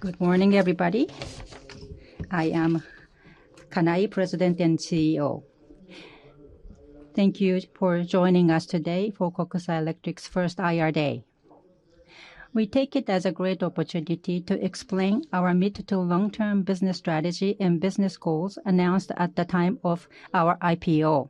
Good morning, everybody. I am Kanai, President and CEO. Thank you for joining us today for Kokusai Electric's first IR Day. We take it as a great opportunity to explain our mid- to long-term business strategy and business goals announced at the time of our IPO.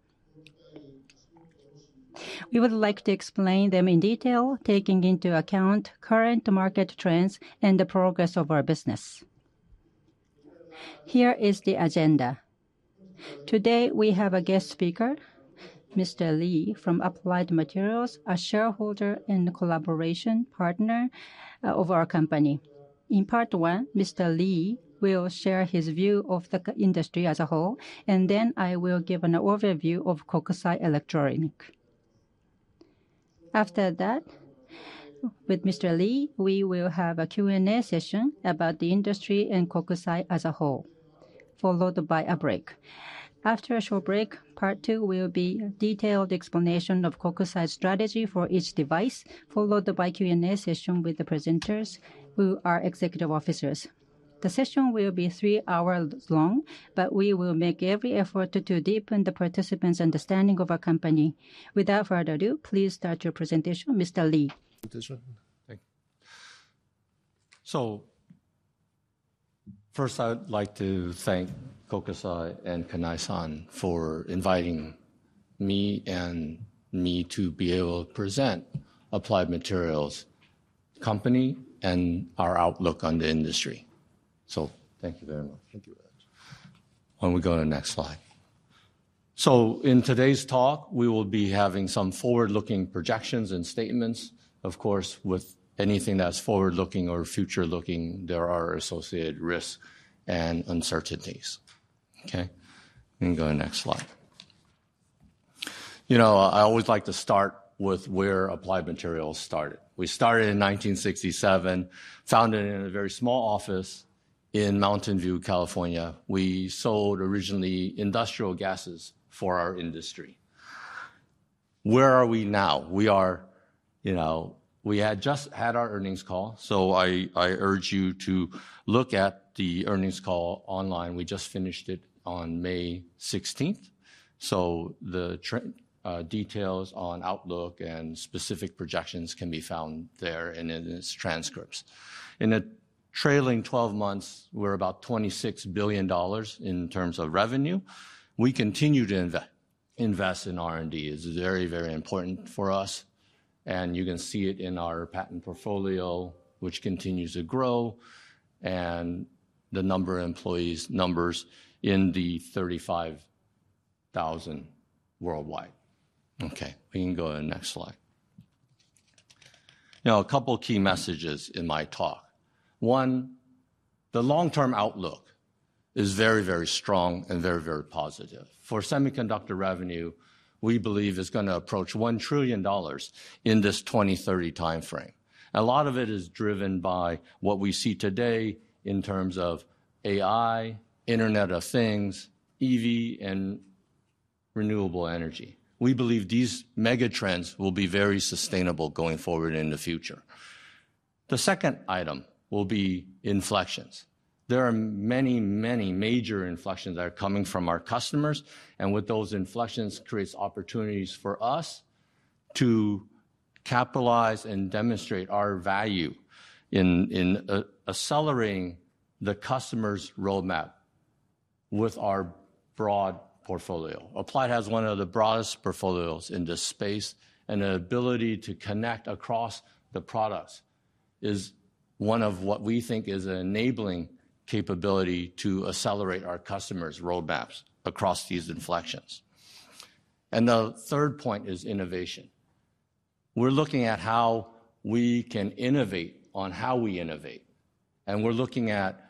We would like to explain them in detail, taking into account current market trends and the progress of our business. Here is the agenda. Today, we have a guest speaker, Mr. Lee from Applied Materials, a shareholder and collaboration partner of our company. In part one, Mr. Lee will share his view of the industry as a whole, and then I will give an overview of Kokusai Electric. After that, with Mr. Lee, we will have a Q&A session about the industry and Kokusai as a whole, followed by a break. After a short break, part two will be a detailed explanation of Kokusai's strategy for each device, followed by a Q&A session with the presenters, who are executive officers. The session will be three hours long, but we will make every effort to deepen the participants' understanding of our company. Without further ado, please start your presentation, Mr. Lee. Presentation. Thank you. So first, I'd like to thank Kokusai and Kanai-san for inviting me and me to be able to present Applied Materials Company and our outlook on the industry. So thank you very much. Thank you very much. When we go to the next slide. So in today's talk, we will be having some forward-looking projections and statements. Of course, with anything that's forward-looking or future-looking, there are associated risks and uncertainties. Okay. We can go to the next slide. You know, I always like to start with where Applied Materials started. We started in 1967, founded in a very small office in Mountain View, California. We sold originally industrial gases for our industry. Where are we now? We are, you know, we had just had our earnings call, so I urge you to look at the earnings call online. We just finished it on May 16th. So the details on Outlook and specific projections can be found there in its transcripts. In a trailing 12 months, we're about $26 billion in terms of revenue. We continue to invest in R&D. It's very, very important for us. And you can see it in our patent portfolio, which continues to grow, and the number of employees numbers in the 35,000 worldwide. Okay. We can go to the next slide. Now, a couple of key messages in my talk. One, the long-term outlook is very, very strong and very, very positive. For semiconductor revenue, we believe it's going to approach $1 trillion in this 2030 timeframe. A lot of it is driven by what we see today in terms of AI, Internet of Things, EV, and renewable energy. We believe these mega trends will be very sustainable going forward in the future. The second item will be inflections. There are many, many major inflections that are coming from our customers, and with those inflections, it creates opportunities for us to capitalize and demonstrate our value in accelerating the customer's roadmap with our broad portfolio. Applied has one of the broadest portfolios in this space, and the ability to connect across the products is one of what we think is an enabling capability to accelerate our customer's roadmaps across these inflections. The third point is innovation. We're looking at how we can innovate on how we innovate, and we're looking at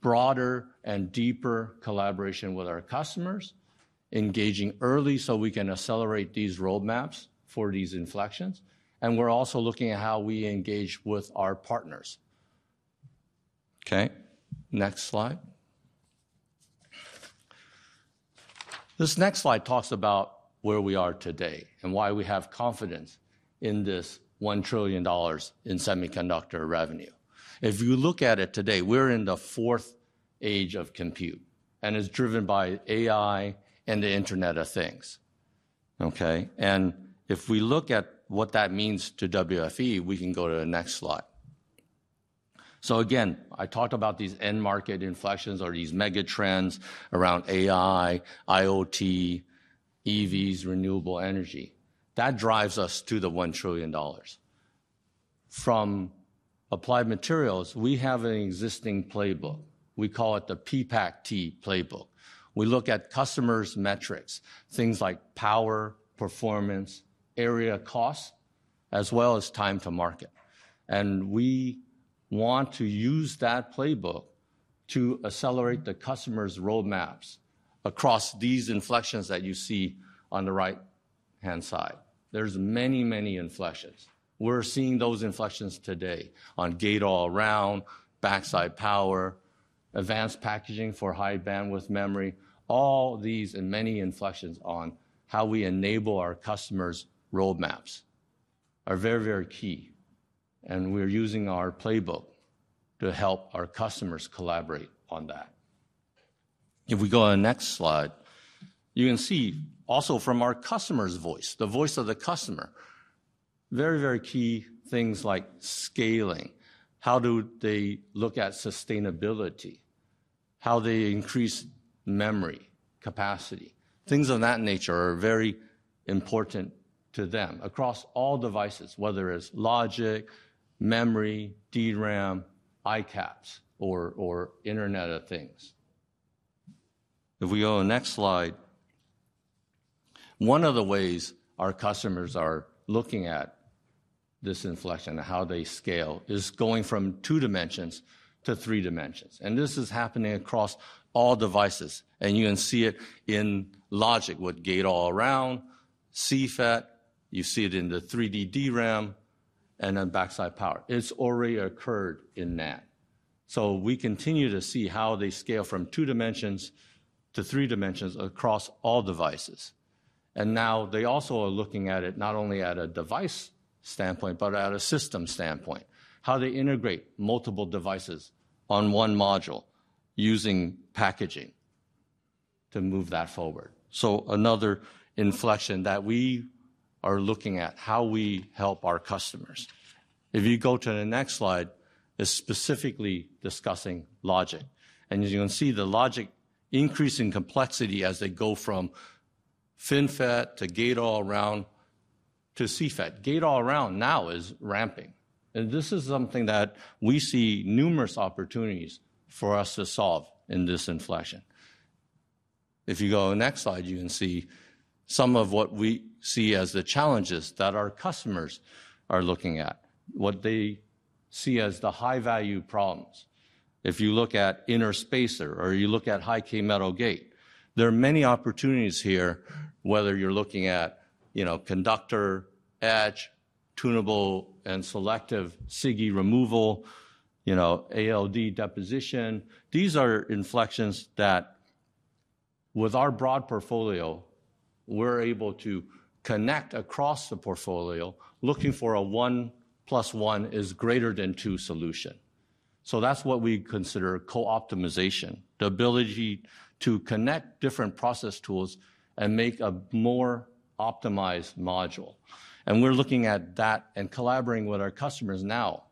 broader and deeper collaboration with our customers, engaging early so we can accelerate these roadmaps for these inflections. We're also looking at how we engage with our partners. Okay. Next slide. This next slide talks about where we are today and why we have confidence in this $1 trillion in semiconductor revenue. If you look at it today, we're in the fourth age of compute, and it's driven by AI and the Internet of Things. Okay. If we look at what that means to WFE, we can go to the next slide. So again, I talked about these end-market inflections or these mega trends around AI, IoT, EVs, renewable energy. That drives us to the $1 trillion. From Applied Materials, we have an existing playbook. We call it the PPACt playbook. We look at customers' metrics, things like power, performance, area cost, as well as time to market. And we want to use that playbook to accelerate the customer's roadmaps across these inflections that you see on the right-hand side. There's many, many inflections. We're seeing those inflections today on gate all-around, backside power, advanced packaging for high bandwidth memory. All these and many inflections on how we enable our customers' roadmaps are very, very key. We're using our playbook to help our customers collaborate on that. If we go to the next slide, you can see also from our customer's voice, the voice of the customer, very, very key things like scaling, how do they look at sustainability, how they increase memory capacity, things of that nature are very important to them across all devices, whether it's logic, memory, DRAM, ICAPS, or Internet of Things. If we go to the next slide, one of the ways our customers are looking at this inflection and how they scale is going from two dimensions to three dimensions. This is happening across all devices. You can see it in logic with gate all-around, CFET. You see it in the 3D DRAM and then backside power. It's already occurred in NAND. So we continue to see how they scale from two dimensions to three dimensions across all devices. And now they also are looking at it not only at a device standpoint, but at a system standpoint, how they integrate multiple devices on one module using packaging to move that forward. So another inflection that we are looking at, how we help our customers. If you go to the next slide, it's specifically discussing logic. And as you can see, the logic increasing complexity as they go from FinFET to gate all-around to CFET. Gate all-around now is ramping. And this is something that we see numerous opportunities for us to solve in this inflection. If you go to the next slide, you can see some of what we see as the challenges that our customers are looking at, what they see as the high-value problems. If you look at inner spacer or you look at High-K metal gate, there are many opportunities here, whether you're looking at, you know, conductor, edge, tunable, and selective SiGe removal, you know, ALD deposition. These are inflections that, with our broad portfolio, we're able to connect across the portfolio, looking for a 1 + 1 is greater than 2 solution. So that's what we consider co-optimization, the ability to connect different process tools and make a more optimized module. And we're looking at that and collaborating with our customers now,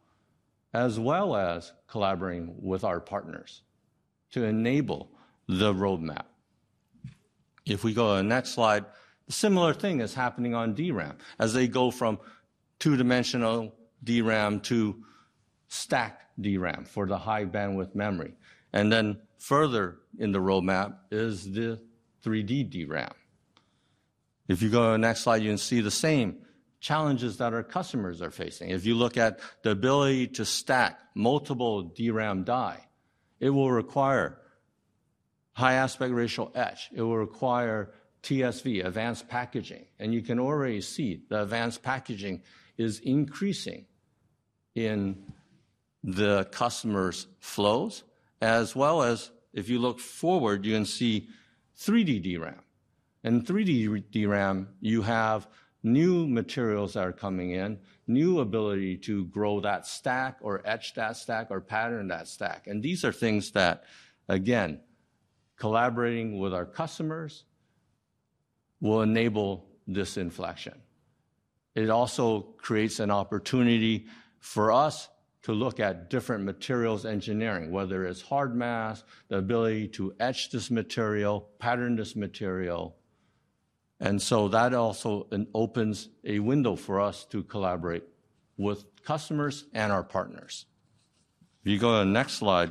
as well as collaborating with our partners to enable the roadmap. If we go to the next slide, a similar thing is happening on DRAM as they go from 2-dimensional DRAM to stack DRAM for the high bandwidth memory. And then further in the roadmap is the 3D DRAM. If you go to the next slide, you can see the same challenges that our customers are facing. If you look at the ability to stack multiple DRAM die, it will require high aspect ratio etch. It will require TSV, advanced packaging. You can already see the advanced packaging is increasing in the customer's flows. As well as, if you look forward, you can see 3D DRAM. In 3D DRAM, you have new materials that are coming in, new ability to grow that stack or etch that stack or pattern that stack. These are things that, again, collaborating with our customers will enable this inflection. It also creates an opportunity for us to look at different materials engineering, whether it's hard mask, the ability to etch this material, pattern this material. That also opens a window for us to collaborate with customers and our partners. If you go to the next slide,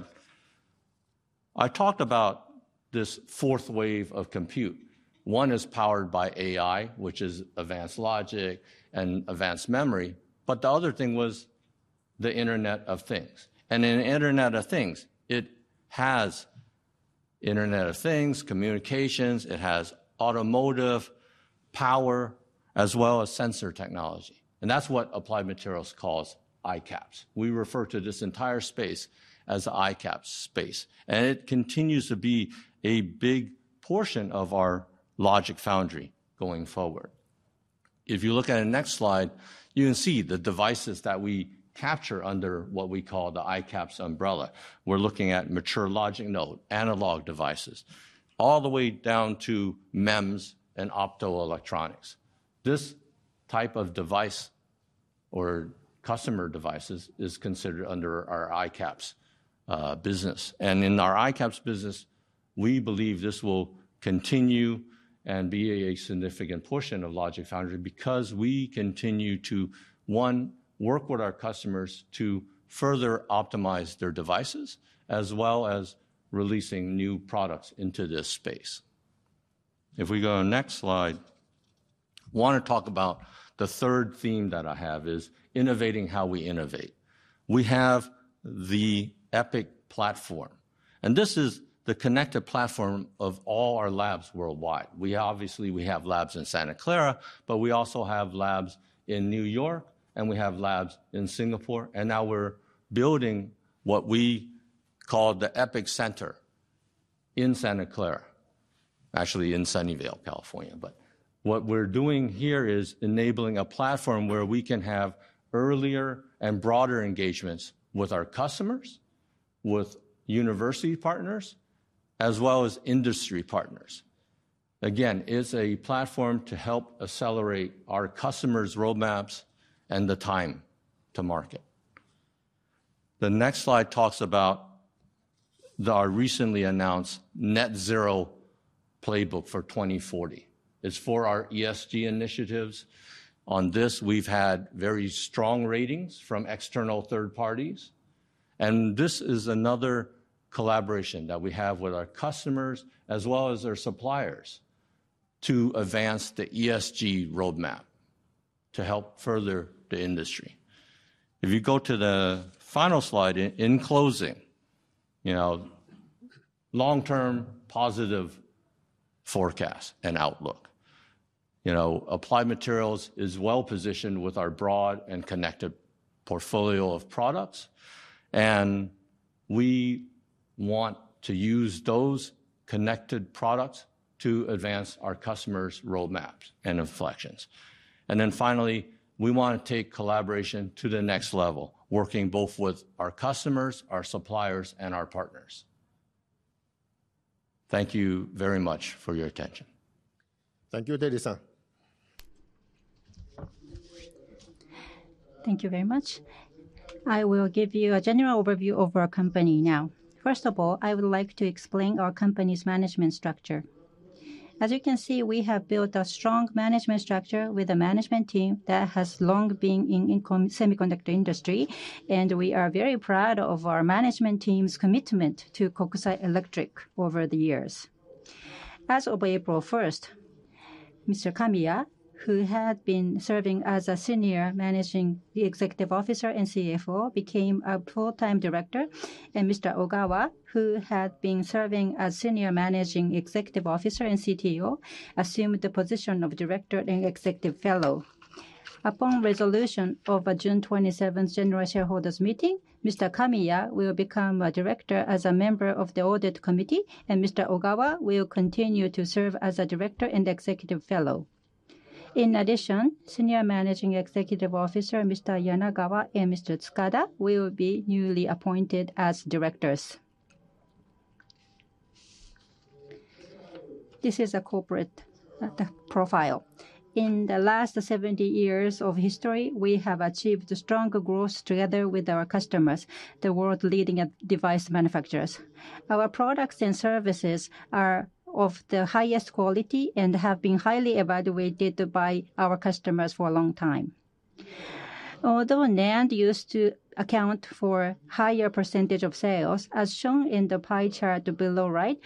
I talked about this fourth wave of compute. One is powered by AI, which is advanced logic and advanced memory. But the other thing was the Internet of Things. And in the Internet of Things, it has Internet of Things, communications. It has automotive power, as well as sensor technology. And that's what Applied Materials calls ICAPS. We refer to this entire space as the ICAPS space. And it continues to be a big portion of our logic foundry going forward. If you look at the next slide, you can see the devices that we capture under what we call the ICAPS umbrella. We're looking at mature logic node, analog devices, all the way down to MEMS and optoelectronics. This type of device or customer devices is considered under our ICAPS business. In our ICAPS business, we believe this will continue and be a significant portion of logic foundry because we continue to, one, work with our customers to further optimize their devices, as well as releasing new products into this space. If we go to the next slide, I want to talk about the third theme that I have is innovating how we innovate. We have the EPIC platform. This is the connected platform of all our labs worldwide. Obviously, we have labs in Santa Clara, but we also have labs in New York, and we have labs in Singapore. Now we're building what we call the EPIC Center in Santa Clara, actually in Sunnyvale, California. But what we're doing here is enabling a platform where we can have earlier and broader engagements with our customers, with university partners, as well as industry partners. Again, it's a platform to help accelerate our customers' roadmaps and the time to market. The next slide talks about our recently announced net zero playbook for 2040. It's for our ESG initiatives. On this, we've had very strong ratings from external third parties. This is another collaboration that we have with our customers, as well as our suppliers, to advance the ESG roadmap to help further the industry. If you go to the final slide in closing, you know, long-term positive forecast and outlook. You know, Applied Materials is well positioned with our broad and connected portfolio of products. We want to use those connected products to advance our customers' roadmaps and inflections. Then finally, we want to take collaboration to the next level, working both with our customers, our suppliers, and our partners. Thank you very much for your attention. Thank you, Terry-san. Thank you very much. I will give you a general overview of our company now. First of all, I would like to explain our company's management structure. As you can see, we have built a strong management structure with a management team that has long been in the semiconductor industry. We are very proud of our management team's commitment to Kokusai Electric over the years. As of April 1st, Mr. Kamiya, who had been serving as a Senior Managing Executive Officer and CFO, became a full-time director. Mr. Ogawa, who had been serving as Senior Managing Executive Officer and CTO, assumed the position of director and executive fellow. Upon resolution of the June 27th general shareholders' meeting, Mr. Kamiya will become a director as a member of the audit committee, and Mr. Ogawa will continue to serve as a director and executive fellow. In addition, Senior Managing Executive Officer Mr. Yanagawa and Mr. Tsukada will be newly appointed as directors. This is a corporate profile. In the last 70 years of history, we have achieved strong growth together with our customers, the world's leading device manufacturers. Our products and services are of the highest quality and have been highly evaluated by our customers for a long time. Although NAND used to account for a higher percentage of sales, as shown in the pie chart below right,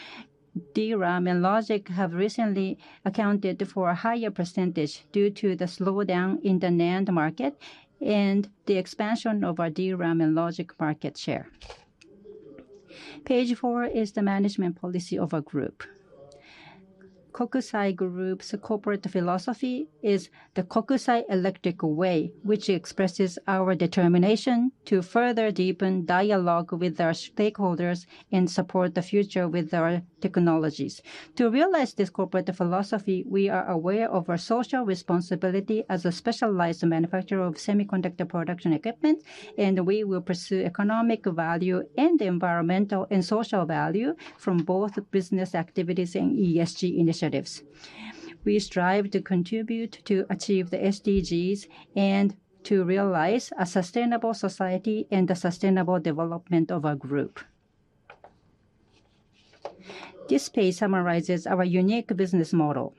DRAM and logic have recently accounted for a higher percentage due to the slowdown in the NAND market and the expansion of our DRAM and logic market share. Page four is the management policy of our group. Kokusai Group's corporate philosophy is the Kokusai Electric Way, which expresses our determination to further deepen dialogue with our stakeholders and support the future with our technologies. To realize this corporate philosophy, we are aware of our social responsibility as a specialized manufacturer of semiconductor production equipment, and we will pursue economic value and environmental and social value from both business activities and ESG initiatives. We strive to contribute to achieve the SDGs and to realize a sustainable society and the sustainable development of our group. This page summarizes our unique business model.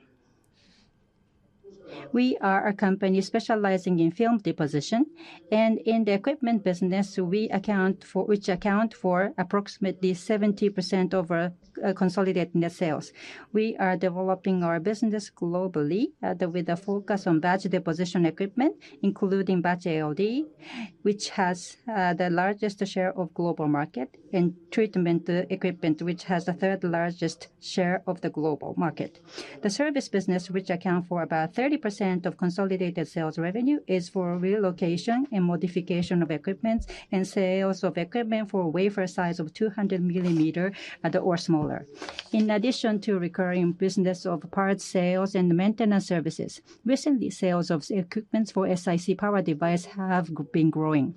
We are a company specializing in film deposition. In the equipment business, we account for approximately 70% of our consolidated net sales. We are developing our business globally with a focus on batch deposition equipment, including batch ALD, which has the largest share of the global market, and treatment equipment, which has the third largest share of the global market. The service business, which accounts for about 30% of consolidated sales revenue, is for relocation and modification of equipment and sales of equipment for wafer size of 200 mm or smaller. In addition to recurring business of parts sales and maintenance services, recently, sales of equipment for SiC power devices have been growing.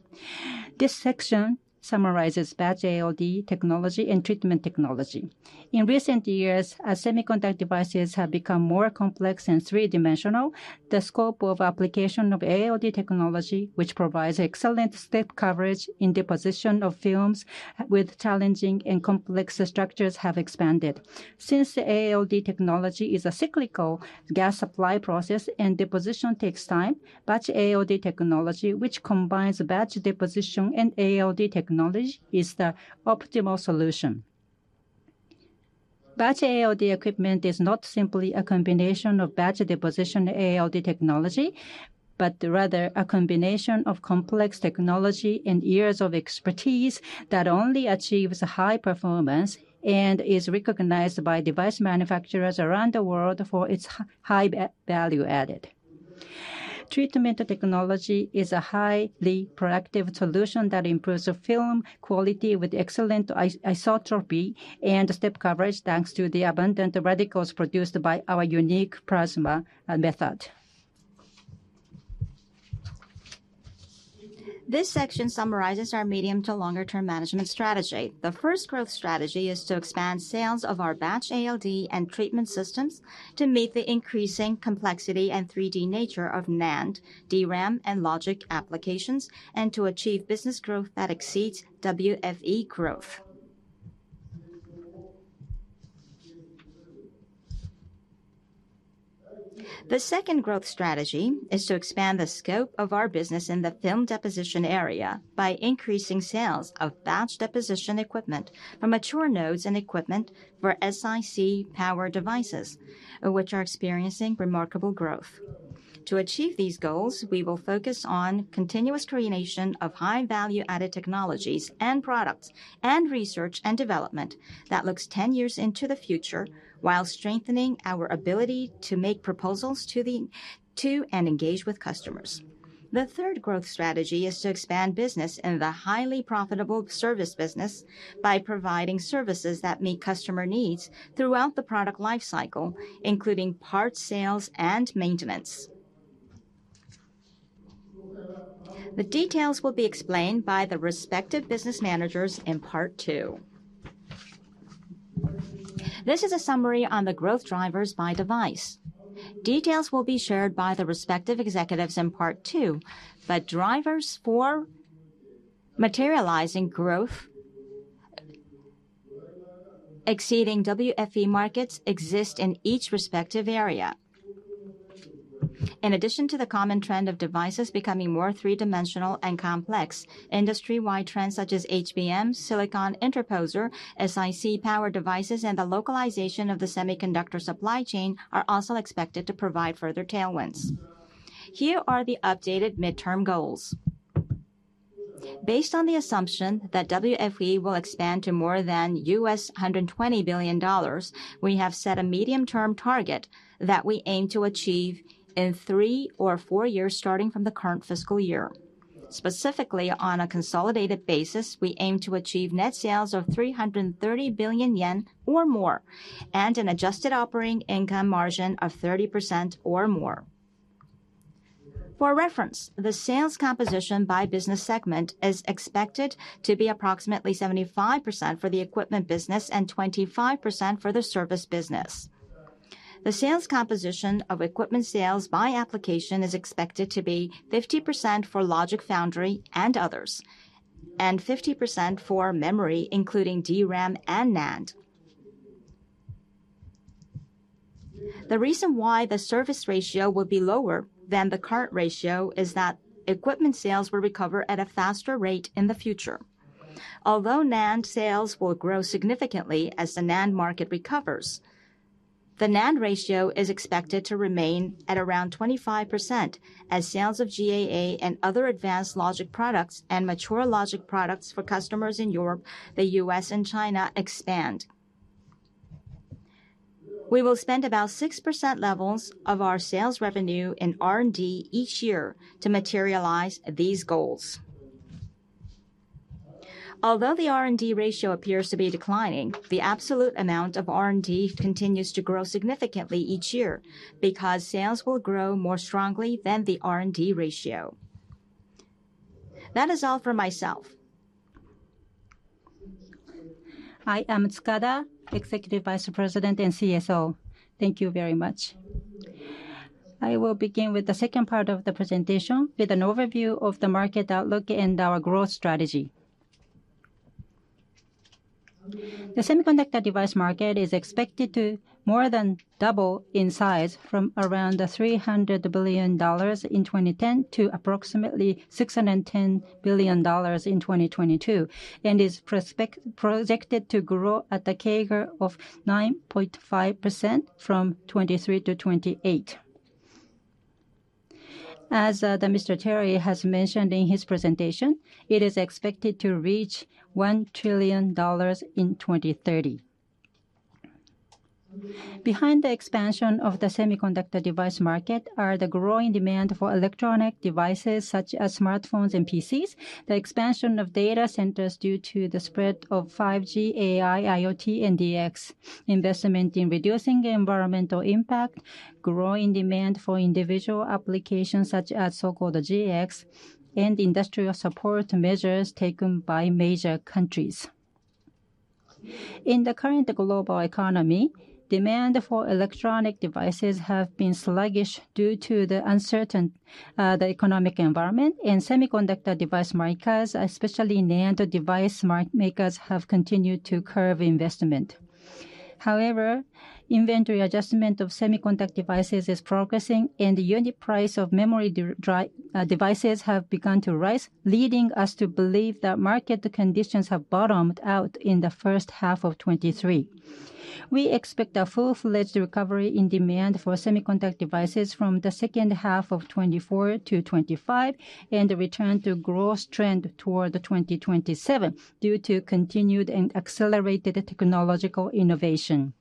This section summarizes batch ALD technology and treatment technology. In recent years, as semiconductor devices have become more complex and three-dimensional, the scope of application of ALD technology, which provides excellent step coverage in deposition of films with challenging and complex structures, has expanded. Since ALD technology is a cyclical gas supply process and deposition takes time, batch ALD technology, which combines batch deposition and ALD technology, is the optimal solution. Batch ALD equipment is not simply a combination of batch deposition and ALD technology, but rather a combination of complex technology and years of expertise that only achieves high performance and is recognized by device manufacturers around the world for its high value added. Treatment technology is a highly productive solution that improves film quality with excellent isotropy and step coverage thanks to the abundant radicals produced by our unique plasma method. This section summarizes our medium to longer-term management strategy. The first growth strategy is to expand sales of our batch ALD and treatment systems to meet the increasing complexity and 3D nature of NAND, DRAM, and logic applications, and to achieve business growth that exceeds WFE growth. The second growth strategy is to expand the scope of our business in the film deposition area by increasing sales of batch deposition equipment for mature nodes and equipment for SiC power devices, which are experiencing remarkable growth. To achieve these goals, we will focus on continuous creation of high value added technologies and products and research and development that looks 10 years into the future while strengthening our ability to make proposals to and engage with customers. The third growth strategy is to expand business in the highly profitable service business by providing services that meet customer needs throughout the product lifecycle, including parts sales and maintenance. The details will be explained by the respective business managers in part two. This is a summary on the growth drivers by device. Details will be shared by the respective executives in part two, but drivers for materializing growth exceeding WFE markets exist in each respective area. In addition to the common trend of devices becoming more three-dimensional and complex, industry-wide trends such as HBM, silicon interposer, SiC power devices, and the localization of the semiconductor supply chain are also expected to provide further tailwinds. Here are the updated midterm goals. Based on the assumption that WFE will expand to more than $120 billion, we have set a medium-term target that we aim to achieve in three or four years starting from the current fiscal year. Specifically, on a consolidated basis, we aim to achieve net sales of 330 billion yen or more and an adjusted operating income margin of 30% or more. For reference, the sales composition by business segment is expected to be approximately 75% for the equipment business and 25% for the service business. The sales composition of equipment sales by application is expected to be 50% for logic foundry and others, and 50% for memory, including DRAM and NAND. The reason why the service ratio will be lower than the current ratio is that equipment sales will recover at a faster rate in the future. Although NAND sales will grow significantly as the NAND market recovers, the NAND ratio is expected to remain at around 25% as sales of GAA and other advanced logic products and mature logic products for customers in Europe, the U.S., and China expand. We will spend about 6% levels of our sales revenue in R&D each year to materialize these goals. Although the R&D ratio appears to be declining, the absolute amount of R&D continues to grow significantly each year because sales will grow more strongly than the R&D ratio. That is all for myself. I am Tsukada, Executive Vice President and CSO. Thank you very much. I will begin with the second part of the presentation with an overview of the market outlook and our growth strategy. The semiconductor device market is expected to more than double in size from around $300 billion in 2010 to approximately $610 billion in 2022 and is projected to grow at a CAGR of 9.5% from 2023 to 2028. As Mr. Terry has mentioned in his presentation, it is expected to reach $1 trillion in 2030. Behind the expansion of the semiconductor device market are the growing demand for electronic devices such as smartphones and PCs, the expansion of data centers due to the spread of 5G, AI, IoT, and DX, investment in reducing environmental impact, growing demand for individual applications such as so-called GX, and industrial support measures taken by major countries. In the current global economy, demand for electronic devices has been sluggish due to the uncertain economic environment, and semiconductor device makers, especially NAND device makers, have continued to curb investment. However, inventory adjustment of semiconductor devices is progressing, and the unit price of memory devices has begun to rise, leading us to believe that market conditions have bottomed out in the first half of 2023. We expect a full-fledged recovery in demand for semiconductor devices from the second half of 2024 to 2025 and a return to growth trend toward 2027 due to continued and accelerated technological innovation.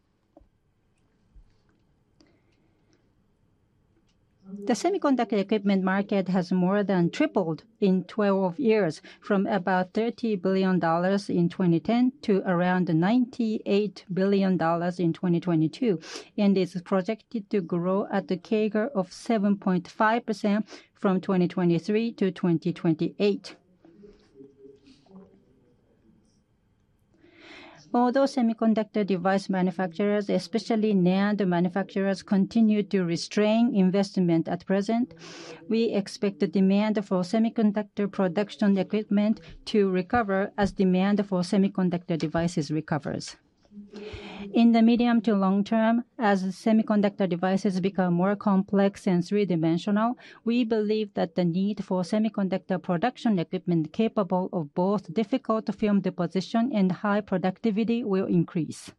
The semiconductor equipment market has more than tripled in 12 years from about $30 billion in 2010 to around $98 billion in 2022, and is projected to grow at a CAGR of 7.5% from 2023 to 2028. Although semiconductor device manufacturers, especially NAND manufacturers, continue to restrain investment at present, we expect the demand for semiconductor production equipment to recover as demand for semiconductor devices recovers. In the medium to long term, as semiconductor devices become more complex and three-dimensional, we believe that the need for semiconductor production equipment capable of both difficult film deposition and high productivity will increase.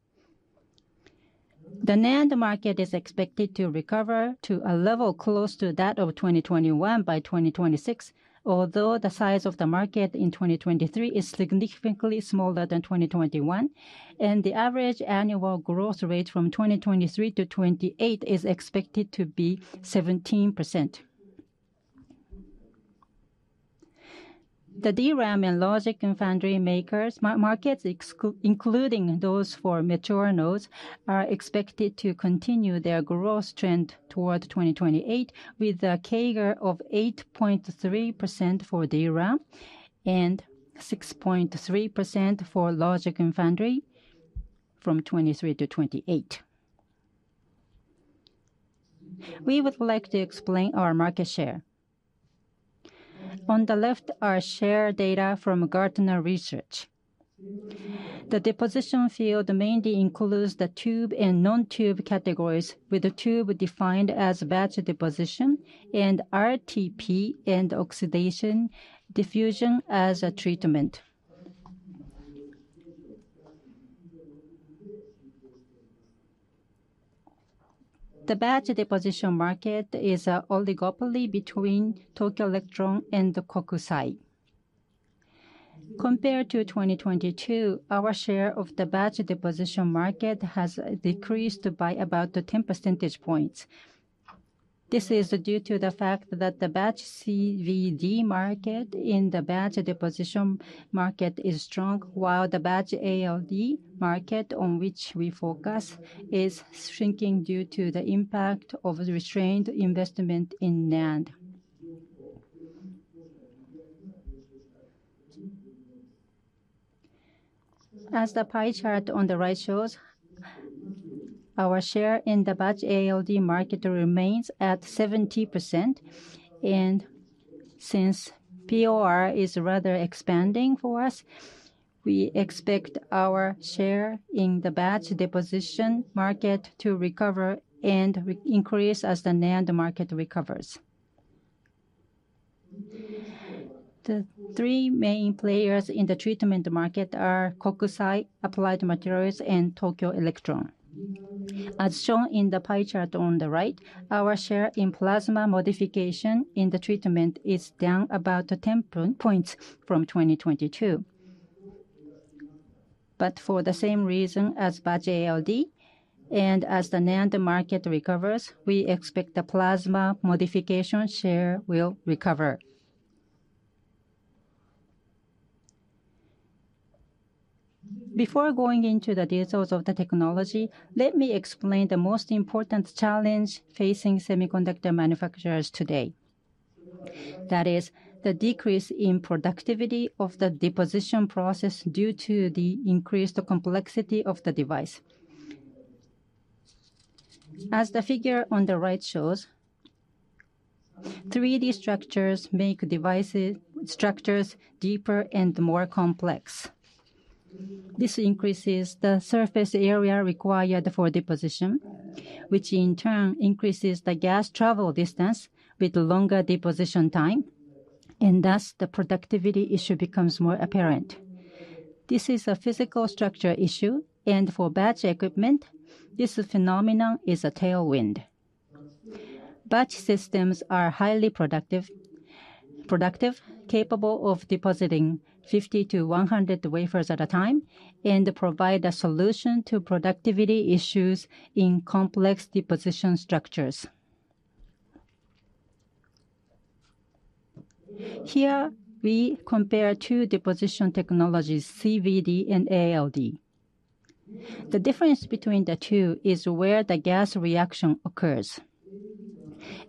The NAND market is expected to recover to a level close to that of 2021 by 2026, although the size of the market in 2023 is significantly smaller than 2021, and the average annual growth rate from 2023 to 2028 is expected to be 17%. The DRAM and logic and foundry makers markets, including those for mature nodes, are expected to continue their growth trend toward 2028 with a CAGR of 8.3% for DRAM and 6.3% for logic and foundry from 2023 to 2028. We would like to explain our market share. On the left are share data from Gartner Research. The deposition field mainly includes the tube and non-tube categories, with the tube defined as batch deposition and RTP and oxidation diffusion as a treatment. The batch deposition market is an oligopoly between Tokyo Electron and Kokusai. Compared to 2022, our share of the batch deposition market has decreased by about 10 percentage points. This is due to the fact that the batch CVD market in the batch deposition market is strong, while the batch ALD market on which we focus is shrinking due to the impact of restrained investment in NAND. As the pie chart on the right shows, our share in the batch ALD market remains at 70%, and since POR is rather expanding for us, we expect our share in the batch deposition market to recover and increase as the NAND market recovers. The three main players in the treatment market are Kokusai, Applied Materials, and Tokyo Electron. As shown in the pie chart on the right, our share in plasma modification in the treatment is down about 10 points from 2022. But for the same reason as batch ALD, and as the NAND market recovers, we expect the plasma modification share will recover. Before going into the details of the technology, let me explain the most important challenge facing semiconductor manufacturers today. That is, the decrease in productivity of the deposition process due to the increased complexity of the device. As the figure on the right shows, 3D structures make device structures deeper and more complex. This increases the surface area required for deposition, which in turn increases the gas travel distance with a longer deposition time, and thus the productivity issue becomes more apparent. This is a physical structure issue, and for batch equipment, this phenomenon is a tailwind. Batch systems are highly productive, capable of depositing 50-100 wafers at a time, and provide a solution to productivity issues in complex deposition structures. Here, we compare two deposition technologies, CVD and ALD. The difference between the two is where the gas reaction occurs.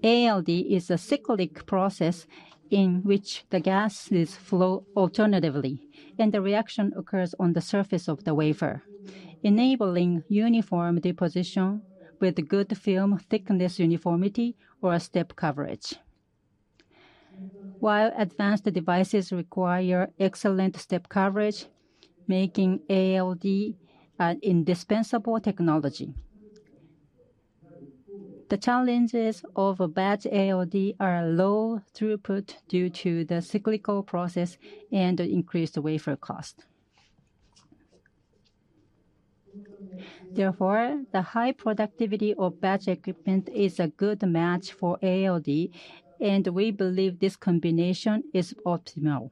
ALD is a cyclic process in which the gases flow alternatively, and the reaction occurs on the surface of the wafer, enabling uniform deposition with good film thickness uniformity or step coverage. While advanced devices require excellent step coverage, making ALD an indispensable technology. The challenges of batch ALD are low throughput due to the cyclical process and increased wafer cost. Therefore, the high productivity of batch equipment is a good match for ALD, and we believe this combination is optimal.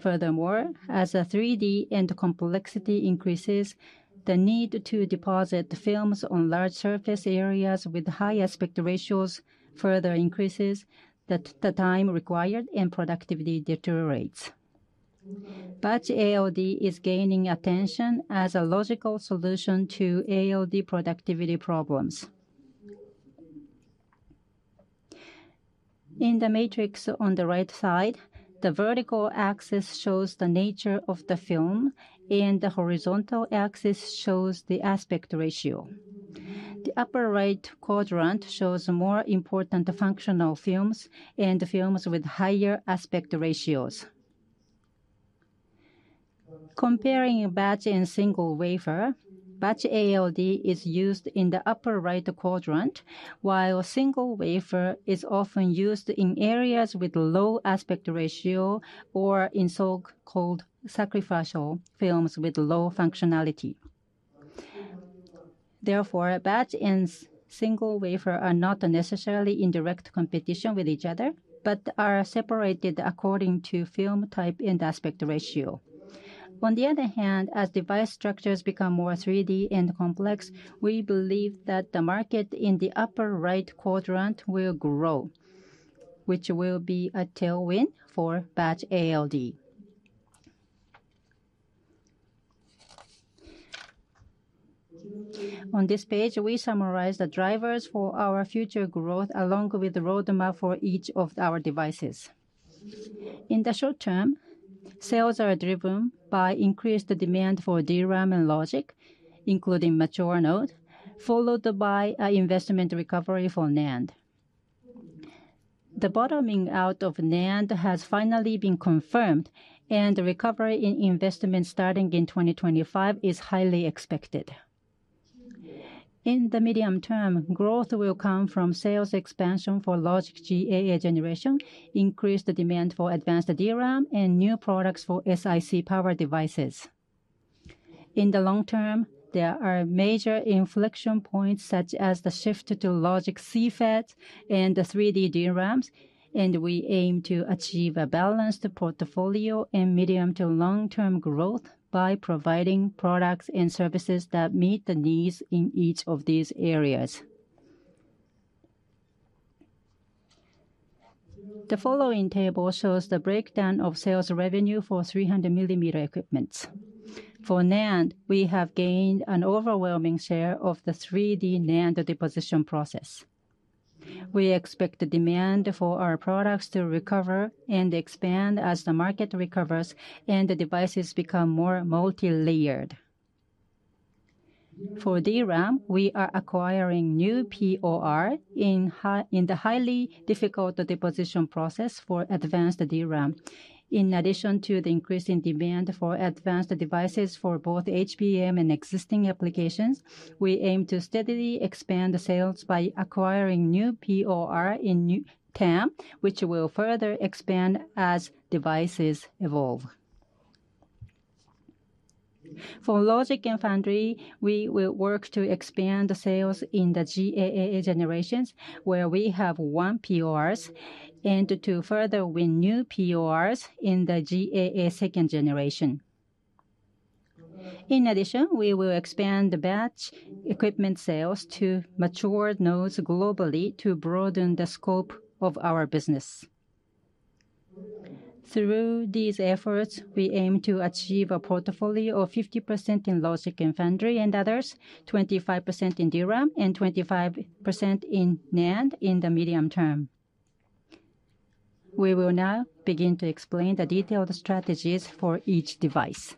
Furthermore, as 3D and complexity increases, the need to deposit films on large surface areas with high aspect ratios further increases the time required and productivity deteriorates. Batch ALD is gaining attention as a logical solution to ALD productivity problems. In the matrix on the right side, the vertical axis shows the nature of the film, and the horizontal axis shows the aspect ratio. The upper right quadrant shows more important functional films and films with higher aspect ratios. Comparing batch and single wafer, batch ALD is used in the upper right quadrant, while single wafer is often used in areas with low aspect ratio or in so-called sacrificial films with low functionality. Therefore, batch and single wafer are not necessarily in direct competition with each other, but are separated according to film type and aspect ratio. On the other hand, as device structures become more 3D and complex, we believe that the market in the upper right quadrant will grow, which will be a tailwind for batch ALD. On this page, we summarize the drivers for our future growth along with the roadmap for each of our devices. In the short term, sales are driven by increased demand for DRAM and logic, including mature node, followed by an investment recovery for NAND. The bottoming out of NAND has finally been confirmed, and recovery in investment starting in 2025 is highly expected. In the medium term, growth will come from sales expansion for logic GAA generation, increased demand for advanced DRAM, and new products for SiC power devices. In the long term, there are major inflection points such as the shift to logic CFETs and 3D DRAMs, and we aim to achieve a balanced portfolio and medium to long-term growth by providing products and services that meet the needs in each of these areas. The following table shows the breakdown of sales revenue for 300mm equipment. For NAND, we have gained an overwhelming share of the 3D NAND deposition process. We expect the demand for our products to recover and expand as the market recovers and the devices become more multi-layered. For DRAM, we are acquiring new POR in the highly difficult deposition process for advanced DRAM. In addition to the increasing demand for advanced devices for both HBM and existing applications, we aim to steadily expand sales by acquiring new POR in TAM, which will further expand as devices evolve. For logic and foundry, we will work to expand sales in the GAA generations where we have one POR and to further win new PORs in the GAA second generation. In addition, we will expand batch equipment sales to mature nodes globally to broaden the scope of our business. Through these efforts, we aim to achieve a portfolio of 50% in logic and foundry and others, 25% in DRAM, and 25% in NAND in the medium term. We will now begin to explain the detailed strategies for each device.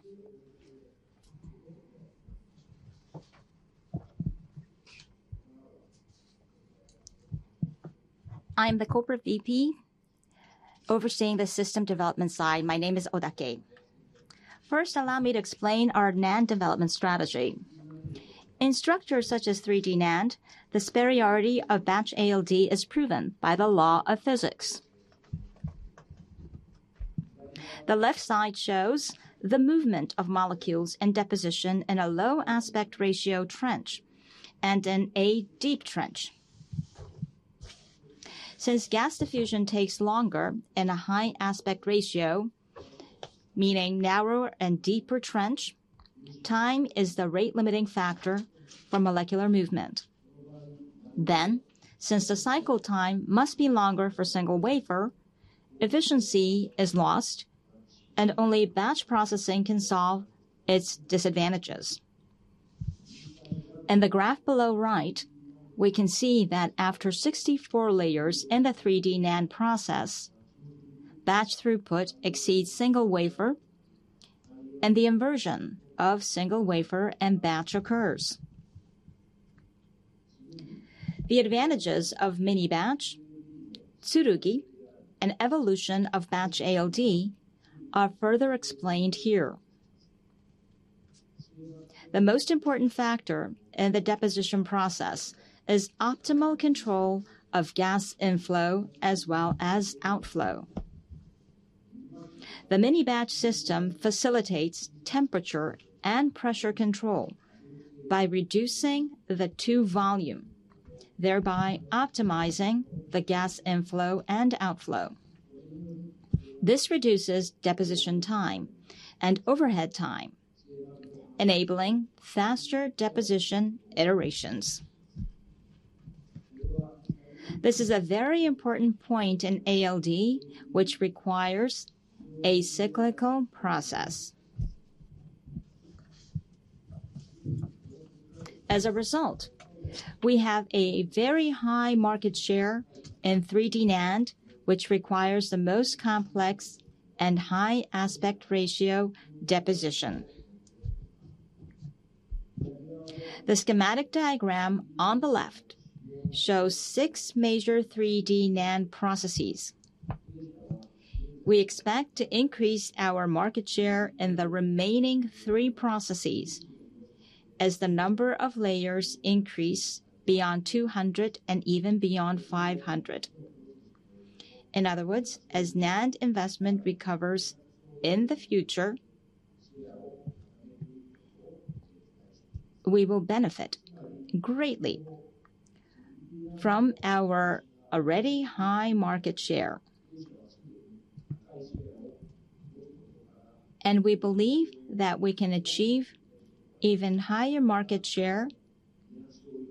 I'm the Corporate VP overseeing the system development side. My name is Oda Kei. First, allow me to explain our NAND development strategy. In structures such as 3D NAND, the superiority of batch ALD is proven by the law of physics. The left side shows the movement of molecules in deposition in a low aspect ratio trench and in a deep trench. Since gas diffusion takes longer in a high aspect ratio, meaning narrower and deeper trench, time is the rate-limiting factor for molecular movement. Then, since the cycle time must be longer for single wafer, efficiency is lost, and only batch processing can solve its disadvantages. In the graph below right, we can see that after 64 layers in the 3D NAND process, batch throughput exceeds single wafer, and the inversion of single wafer and batch occurs. The advantages of mini batch, TSURUGI, and evolution of batch ALD are further explained here. The most important factor in the deposition process is optimal control of gas inflow as well as outflow. The mini batch system facilitates temperature and pressure control by reducing the two volumes, thereby optimizing the gas inflow and outflow. This reduces deposition time and overhead time, enabling faster deposition iterations. This is a very important point in ALD, which requires a cyclical process. As a result, we have a very high market share in 3D NAND, which requires the most complex and high aspect ratio deposition. The schematic diagram on the left shows six major 3D NAND processes. We expect to increase our market share in the remaining three processes as the number of layers increases beyond 200 and even beyond 500. In other words, as NAND investment recovers in the future, we will benefit greatly from our already high market share, and we believe that we can achieve even higher market share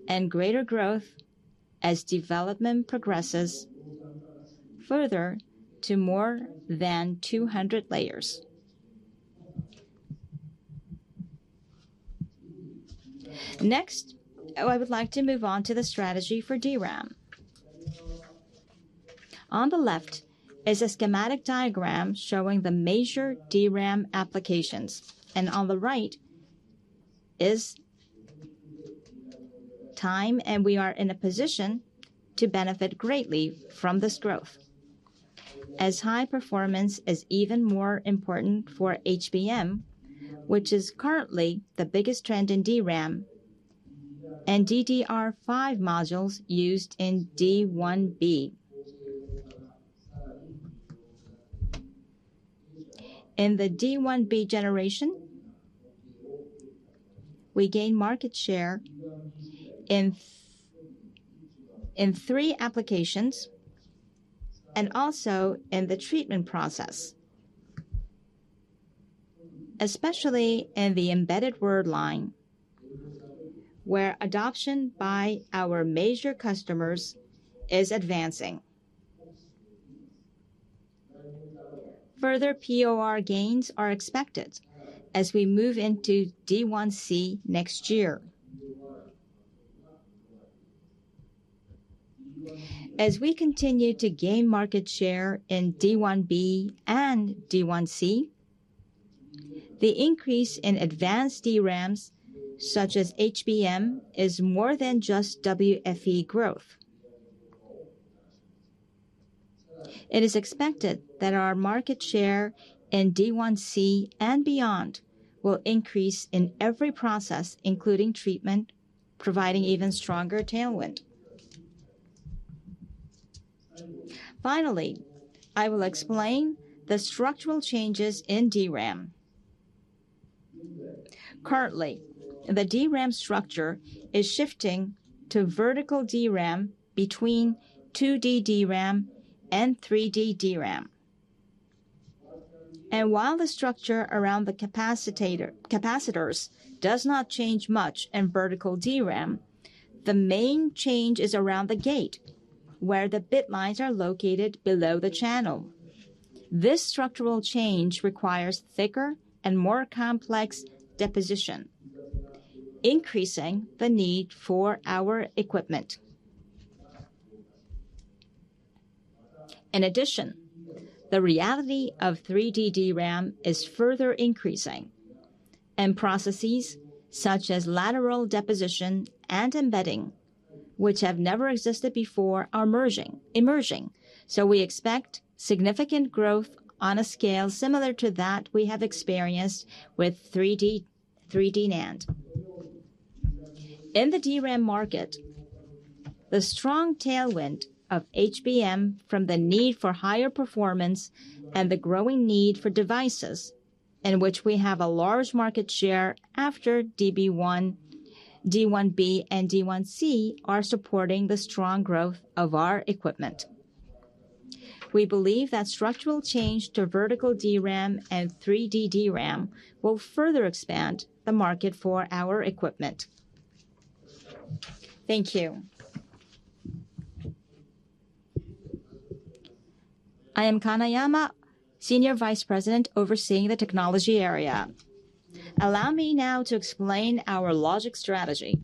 and greater growth as development progresses further to more than 200 layers. Next, I would like to move on to the strategy for DRAM. On the left is a schematic diagram showing the major DRAM applications, and on the right is time, and we are in a position to benefit greatly from this growth. As high performance is even more important for HBM, which is currently the biggest trend in DRAM, and DDR5 modules used in D1B. In the D1B generation, we gain market share in three applications and also in the treatment process, especially in the embedded word line, where adoption by our major customers is advancing. Further POR gains are expected as we move into D1C next year. As we continue to gain market share in D1B and D1C, the increase in advanced DRAMs such as HBM is more than just WFE growth. It is expected that our market share in D1C and beyond will increase in every process, including treatment, providing even stronger tailwind. Finally, I will explain the structural changes in DRAM. Currently, the DRAM structure is shifting to vertical DRAM between 2D DRAM and 3D DRAM. While the structure around the capacitors does not change much in vertical DRAM, the main change is around the gate, where the bit lines are located below the channel. This structural change requires thicker and more complex deposition, increasing the need for our equipment. In addition, the reality of 3D DRAM is further increasing, and processes such as lateral deposition and embedding, which have never existed before, are emerging. So we expect significant growth on a scale similar to that we have experienced with 3D NAND. In the DRAM market, the strong tailwind of HBM from the need for higher performance and the growing need for devices in which we have a large market share after D1a, D1b, and D1c are supporting the strong growth of our equipment. We believe that structural change to vertical DRAM and 3D DRAM will further expand the market for our equipment. Thank you. I am Kanayama, Senior Vice President overseeing the technology area. Allow me now to explain our logic strategy.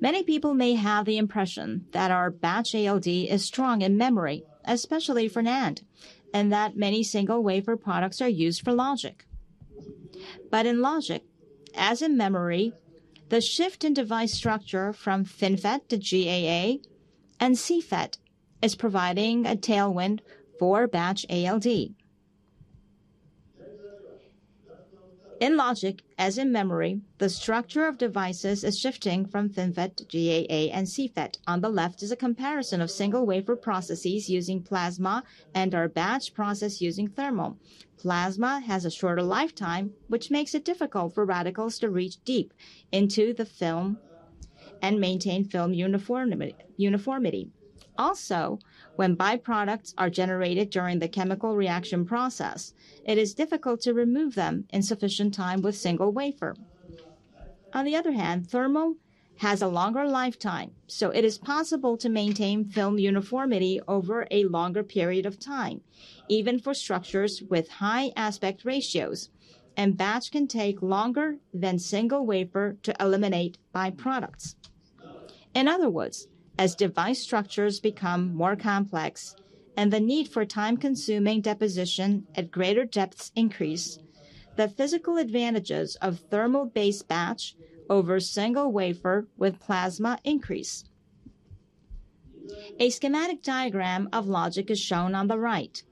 Many people may have the impression that our batch ALD is strong in memory, especially for NAND, and that many single wafer products are used for logic. But in logic, as in memory, the shift in device structure from FinFET to GAA and CFET is providing a tailwind for batch ALD. In logic, as in memory, the structure of devices is shifting from FinFET to GAA and CFET. On the left is a comparison of single wafer processes using plasma and our batch process using thermal. Plasma has a shorter lifetime, which makes it difficult for radicals to reach deep into the film and maintain film uniformity. Also, when byproducts are generated during the chemical reaction process, it is difficult to remove them in sufficient time with single wafer. On the other hand, thermal has a longer lifetime, so it is possible to maintain film uniformity over a longer period of time, even for structures with high aspect ratios, and batch can take longer than single wafer to eliminate byproducts. In other words, as device structures become more complex and the need for time-consuming deposition at greater depths increases, the physical advantages of thermal-based batch over single wafer with plasma increase. A schematic diagram of logic is shown on the right.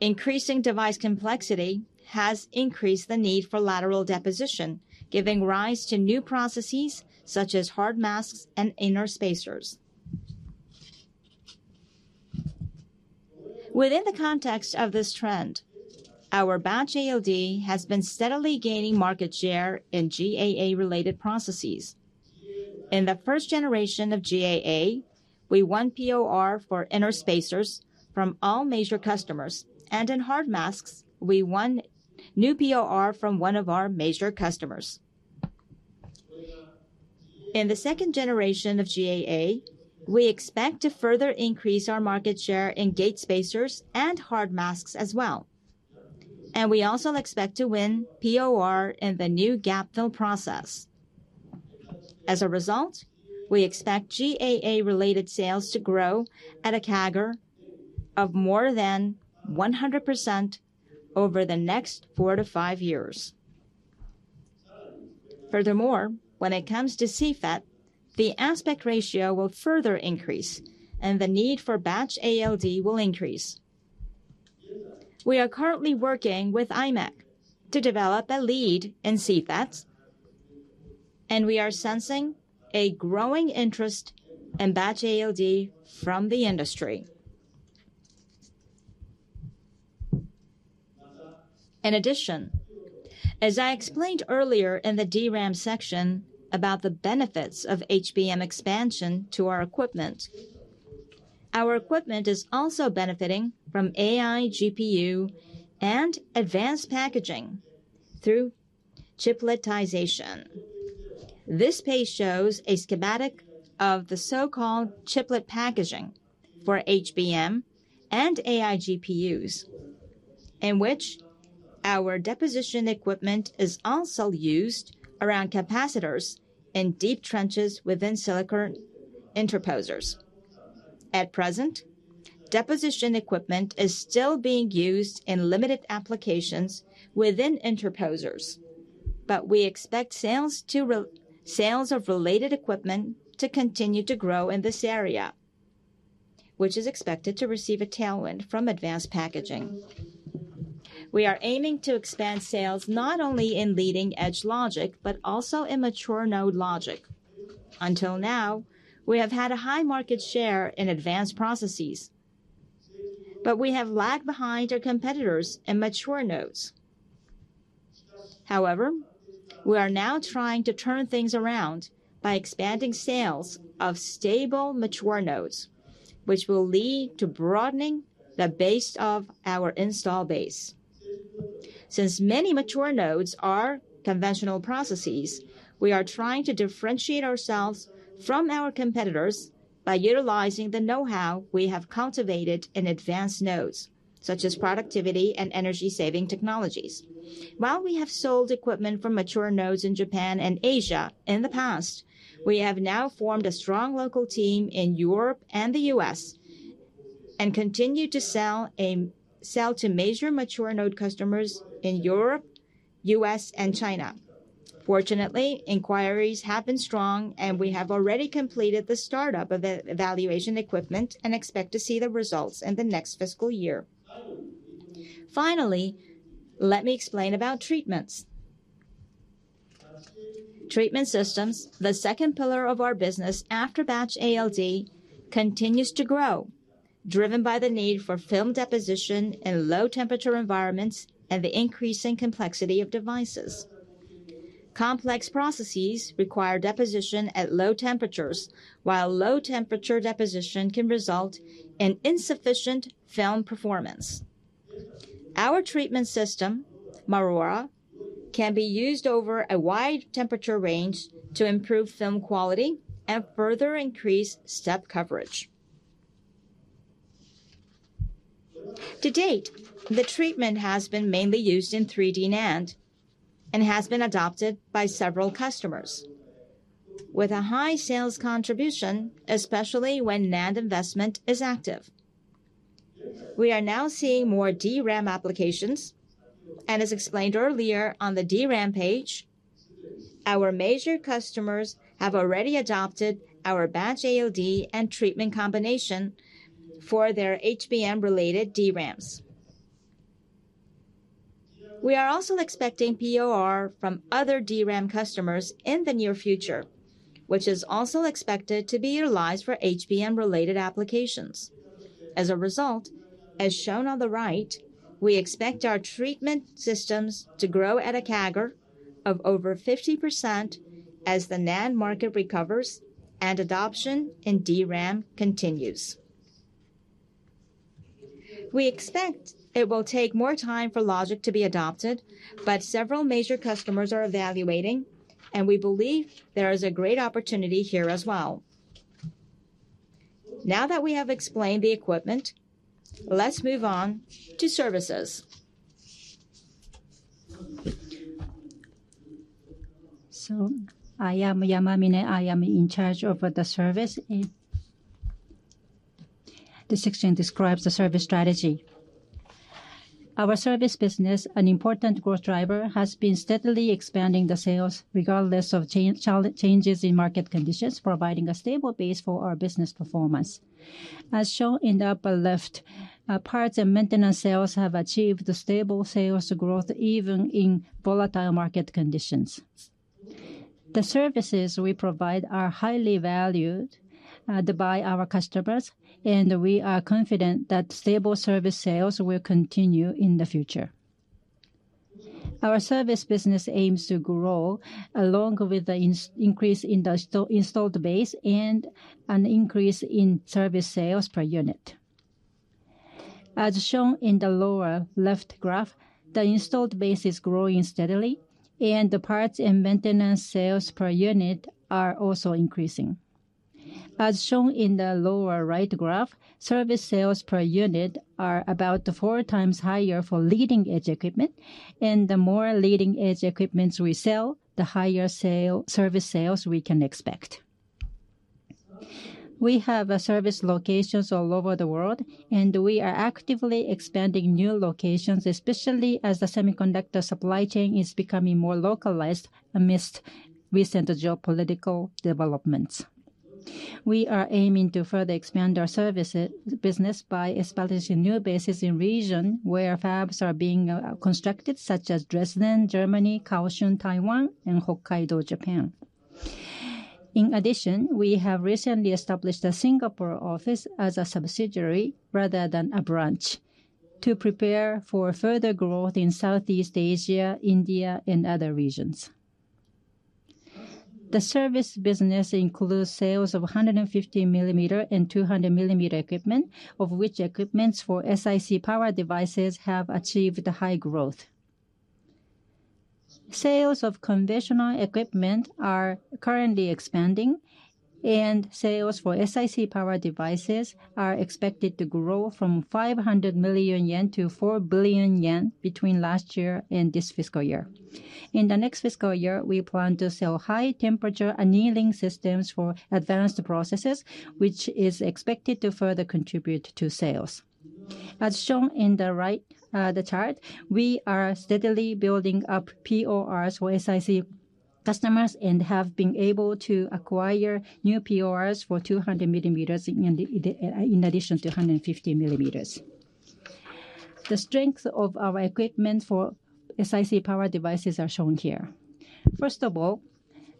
Increasing device complexity has increased the need for lateral deposition, giving rise to new processes such as hard masks and inner spacers. Within the context of this trend, our batch ALD has been steadily gaining market share in GAA-related processes. In the first generation of GAA, we won POR for inner spacers from all major customers, and in hard masks, we won new POR from one of our major customers. In the second generation of GAA, we expect to further increase our market share in gate spacers and hard masks as well. We also expect to win POR in the new gap fill process. As a result, we expect GAA-related sales to grow at a CAGR of more than 100% over the next four to five years. Furthermore, when it comes to CFET, the aspect ratio will further increase, and the need for batch ALD will increase. We are currently working with IMEC to develop a lead in CFETs, and we are sensing a growing interest in batch ALD from the industry. In addition, as I explained earlier in the DRAM section about the benefits of HBM expansion to our equipment, our equipment is also benefiting from AI GPU and advanced packaging through chipletization. This page shows a schematic of the so-called chiplet packaging for HBM and AI GPUs, in which our deposition equipment is also used around capacitors in deep trenches within silicon interposers. At present, deposition equipment is still being used in limited applications within interposers, but we expect sales of related equipment to continue to grow in this area, which is expected to receive a tailwind from advanced packaging. We are aiming to expand sales not only in leading-edge logic, but also in mature node logic. Until now, we have had a high market share in advanced processes, but we have lagged behind our competitors in mature nodes. However, we are now trying to turn things around by expanding sales of stable mature nodes, which will lead to broadening the base of our install base. Since many mature nodes are conventional processes, we are trying to differentiate ourselves from our competitors by utilizing the know-how we have cultivated in advanced nodes, such as productivity and energy-saving technologies. While we have sold equipment from mature nodes in Japan and Asia in the past, we have now formed a strong local team in Europe and the U.S. and continue to sell to major mature node customers in Europe, the U.S., and China. Fortunately, inquiries have been strong, and we have already completed the startup of the evaluation equipment and expect to see the results in the next fiscal year. Finally, let me explain about treatments. Treatment systems, the second pillar of our business after batch ALD, continues to grow, driven by the need for film deposition in low-temperature environments and the increasing complexity of devices. Complex processes require deposition at low temperatures, while low-temperature deposition can result in insufficient film performance. Our treatment system, MARORA, can be used over a wide temperature range to improve film quality and further increase step coverage. To date, the treatment has been mainly used in 3D NAND and has been adopted by several customers, with a high sales contribution, especially when NAND investment is active. We are now seeing more DRAM applications, and as explained earlier on the DRAM page, our major customers have already adopted our batch ALD and treatment combination for their HBM-related DRAMs. We are also expecting POR from other DRAM customers in the near future, which is also expected to be utilized for HBM-related applications. As a result, as shown on the right, we expect our treatment systems to grow at a CAGR of over 50% as the NAND market recovers and adoption in DRAM continues. We expect it will take more time for logic to be adopted, but several major customers are evaluating, and we believe there is a great opportunity here as well. Now that we have explained the equipment, let's move on to services. I am Yamamine. I am in charge of the service. This section describes the service strategy. Our service business, an important growth driver, has been steadily expanding the sales regardless of changes in market conditions, providing a stable base for our business performance. As shown in the upper left, parts and maintenance sales have achieved stable sa les growth even in volatile market conditions. The services we provide are highly valued by our customers, and we are confident that stable service sales will continue in the future. Our service business aims to grow along with the increase in the installed base and an increase in service sales per unit. As shown in the lower left graph, the installed base is growing steadily, and the parts and maintenance sales per unit are also increasing. As shown in the lower right graph, service sales per unit are about four times higher for leading-edge equipment, and the more leading-edge equipments we sell, the higher service sales we can expect. We have service locations all over the world, and we are actively expanding new locations, especially as the semiconductor supply chain is becoming more localized amidst recent geopolitical developments. We are aiming to further expand our service business by establishing new bases in regions where fabs are being constructed, such as Dresden, Germany, Kaohsiung, Taiwan, and Hokkaido, Japan. In addition, we have recently established a Singapore office as a subsidiary rather than a branch to prepare for further growth in Southeast Asia, India, and other regions. The service business includes sales of 150 mm and 200 mm equipment, of which equipments for SiC power devices have achieved high growth. Sales of conventional equipment are currently expanding, and sales for SiC power devices are expected to grow from 500 million yen to 4 billion yen between last year and this fiscal year. In the next fiscal year, we plan to sell high-temperature annealing systems for advanced processes, which is expected to further contribute to sales. As shown in the right of the chart, we are steadily building up PORs for SiC customers and have been able to acquire new PORs for 200 mm in addition to 150 mm. The strength of our equipment for SiC power devices is shown here. First of all,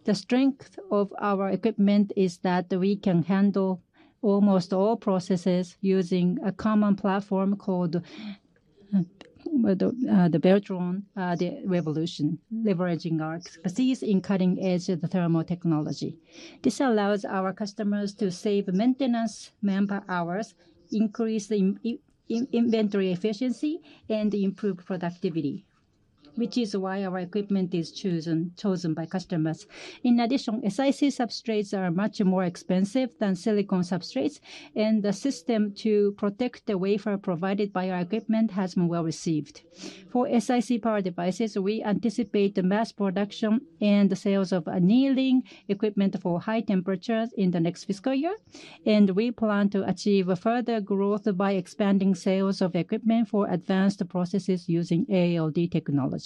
the strength of our equipment is that we can handle almost all processes using a common platform called the VERTRON Revolution, leveraging our expertise in cutting-edge thermal technology. This allows our customers to save maintenance member hours, increase inventory efficiency, and improve productivity, which is why our equipment is chosen by customers. In addition, SiC substrates are much more expensive than silicon substrates, and the system to protect the wafer provided by our equipment has been well received. For SiC power devices, we anticipate the mass production and sales of annealing equipment for high temperatures in the next fiscal year, and we plan to achieve further growth by expanding sales of equipment for advanced processes using ALD technology.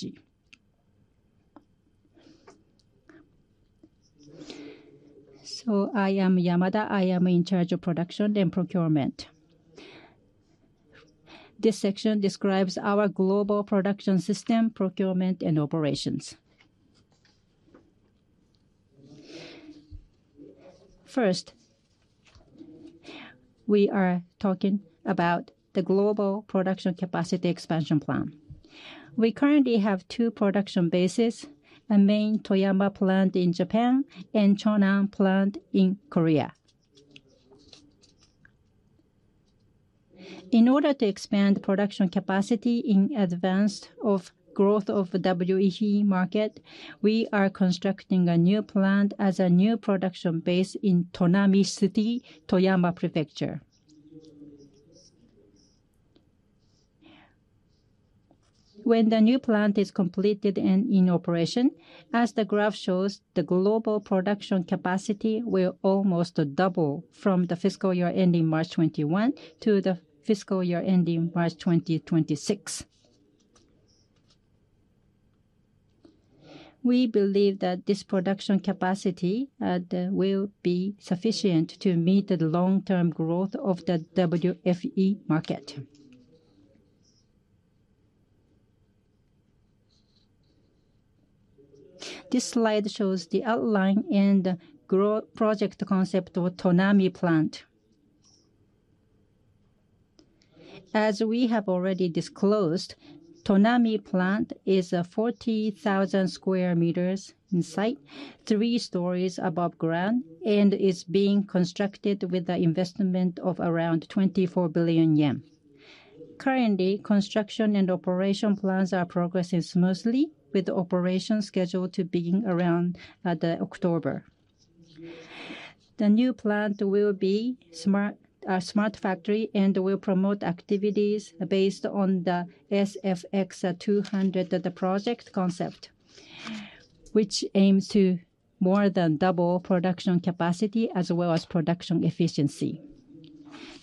So I am Yamada. I am in charge of production and procurement. This section describes our global production system, procurement, and operations. First, we are talking about the global production capacity expansion plan. We currently have two production bases, a main Toyama plant in Japan and Cheonan plant in Korea. In order to expand production capacity in advance of growth of the WFE market, we are constructing a new plant as a new production base in Tonami City, Toyama Prefecture. When the new plant is completed and in operation, as the graph shows, the global production capacity will almost double from the fiscal year ending March 2021 to the fiscal year ending March 2026. We believe that this production capacity will be sufficient to meet the long-term growth of the WFE market. This slide shows the outline and project concept of Tonami plant. As we have already disclosed, Tonami plant is a 40,000 square meter site, three stories above ground, and is being constructed with an investment of around 24 billion yen. Currently, construction and operation plans are progressing smoothly, with operations scheduled to begin around October. The new plant will be a smart factory and will promote activities based on the SFX200 project concept, which aims to more than double production capacity as well as production efficiency.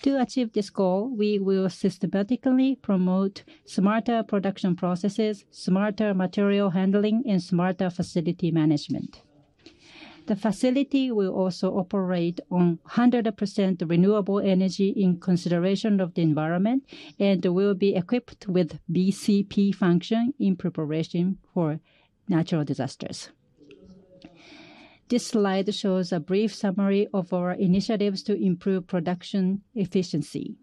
To achieve this goal, we will systematically promote smarter production processes, smarter material handling, and smarter facility management. The facility will also operate on 100% renewable energy in consideration of the environment and will be equipped with BCP function in preparation for natural disasters. This slide shows a brief summary of our initiatives to improve production efficiency.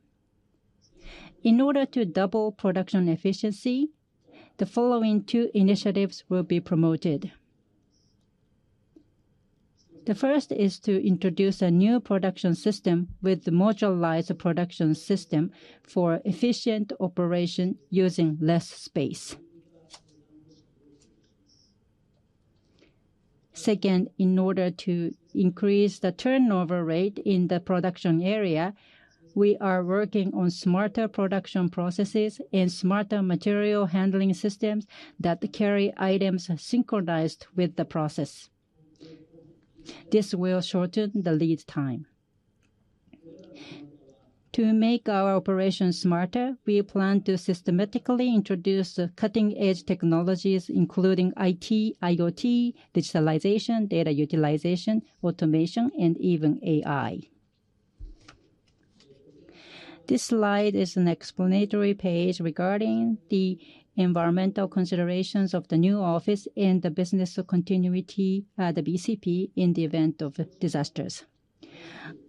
In order to double production efficiency, the following two initiatives will be promoted. The first is to introduce a new production system with a modularized production system for efficient operation using less space. Second, in order to increase the turnover rate in the production area, we are working on smarter production processes and smarter material handling systems that carry items synchronized with the process. This will shorten the lead time. To make our operations smarter, we plan to systematically introduce cutting-edge technologies, including IT, IoT, digitalization, data utilization, automation, and even AI. This slide is an explanatory page regarding the environmental considerations of the new office and the business continuity at the BCP in the event of disasters.